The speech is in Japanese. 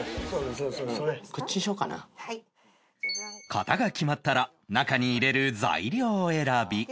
型が決まったら中に入れる材料を選び